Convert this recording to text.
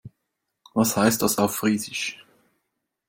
Was heißt das auf Friesisch?